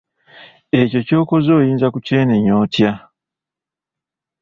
Ekyo ky'okoze oyinza kukyenenya otya?